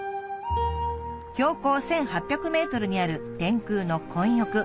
標高１８００ｍにある天空の混浴